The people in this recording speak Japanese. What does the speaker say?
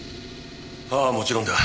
ああもちろんだ。